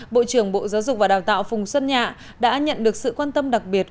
bộ trưởng bộ giáo dục và đào tạo phùng xuân nhạ đã nhận được sự quan tâm đặc biệt